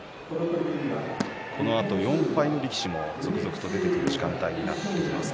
このあと４敗力士も続々と出てくる時間帯になっています。